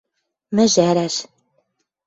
Мӹжӓрӓш